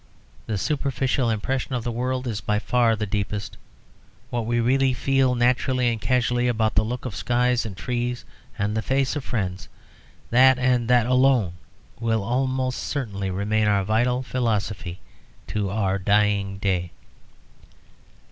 The superficial impression of the world is by far the deepest. What we really feel, naturally and casually, about the look of skies and trees and the face of friends, that and that alone will almost certainly remain our vital philosophy to our dying day.